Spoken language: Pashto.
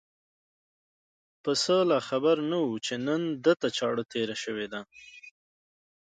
پسه لا خبر نه و چې نن ده ته چاړه تېره شوې ده.